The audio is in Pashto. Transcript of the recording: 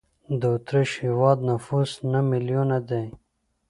د اوترېش هېواد نفوس نه میلیونه دی.